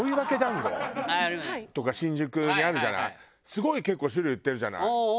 すごい結構種類売ってるじゃない？